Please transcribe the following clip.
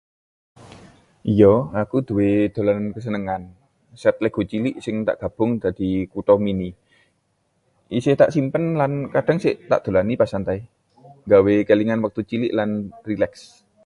Iyo, aku nduwè dolanan kesenengan: set LEGO cilik sing tak gabung dadi kutha mini. Isih tak simpen lan kadhang tak dolani pas santai, nggawe kelingan wektu cilik lan rileks.